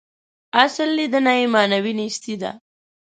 اصل لېدنه یې معنوي نیستي ده.